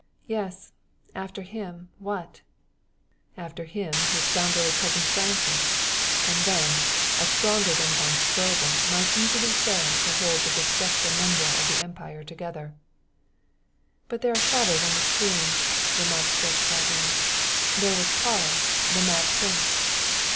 "Yes; after him, what?" "After him his scoundrelly cousin Francis; and then a stronger than Von Stroebel might easily fail to hold the disjecta membra of the Empire together." "But there are shadows on the screen," remarked Judge Claiborne. "There was Karl the mad prince."